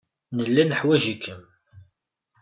Nella neḥwaj-ikem.